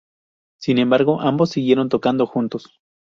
Sin embargo, ambos siguieron tocando juntos.